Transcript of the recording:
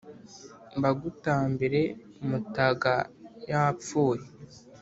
mbagutambire mutaga yapfuye,